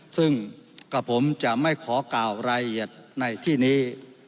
ซึ่งกับผมจะไม่ขอกล่าวรายละเอียดในที่นี้